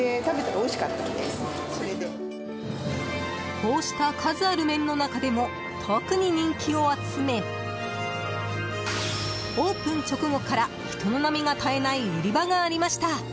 こうした数ある麺の中でも特に人気を集めオープン直後から人の波が絶えない売り場がありました！